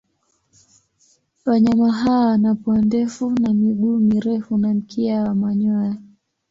Wanyama hawa wana pua ndefu na miguu mirefu na mkia wa manyoya.